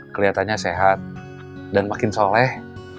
kelihatannya sehat dan makin soleh